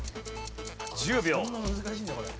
１０秒。